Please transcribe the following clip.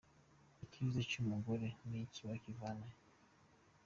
Icyiza cy’umugore ni iki? Wakivana he?”.